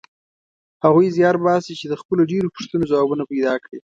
هغوی زیار باسي چې د خپلو ډېرو پوښتنو ځوابونه پیدا کړي.